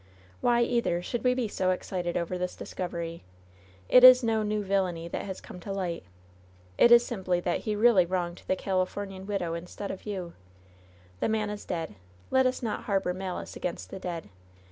Why, either, should we be so excited over this discovery? It is no new villainy that has come to light. It is simply that he really wronged the CaHf omian widow instead of you. The man is dead. Let us not harbor malice against the dead.